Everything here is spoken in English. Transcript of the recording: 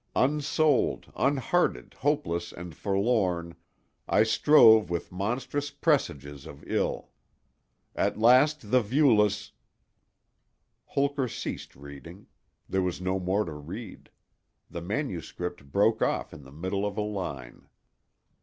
Unsouled, unhearted, hopeless and forlorn, I strove with monstrous presages of ill! "At last the viewless—" Holker ceased reading; there was no more to read. The manuscript broke off in the middle of a line.